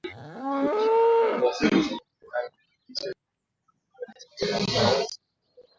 Ripoti hiyo haikutoa sababu ya Iran kusitisha kwa muda mazungumzo lakini inakuja